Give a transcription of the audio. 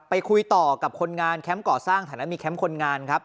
ไปคุยต่อกับคนงานแคมป์ก่อสร้างฐานะมีแคมป์คนงานครับ